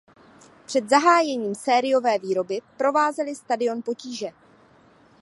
Před zahájením sériové výroby provázely Stadion potíže.